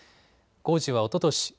工事はおととし